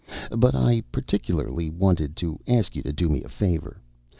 But I particularly wanted to ask you to do me a favor.